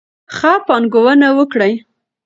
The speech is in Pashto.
ښه پانګونه وکړئ.